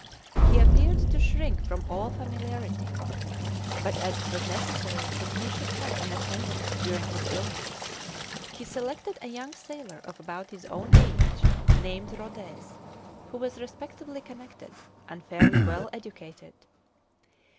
He appeared to shrink from all familiarity, but, as it was necessary that he should have an attendant during his illness, he selected a young sailor of about his own age, named Rhodez, who was respectably connected, and fairly well educated.